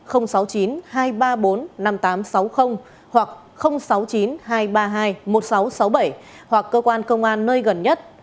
sáu mươi chín hai trăm ba mươi bốn năm nghìn tám trăm sáu mươi hoặc sáu mươi chín hai trăm ba mươi hai một nghìn sáu trăm sáu mươi bảy hoặc cơ quan công an nơi gần nhất